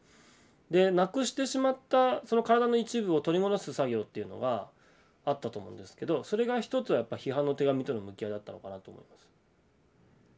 でなくしてしまったその体の一部を取り戻す作業っていうのはあったと思うんですけどそれが一つはやっぱ批判の手紙との向き合いだったのかなと思います。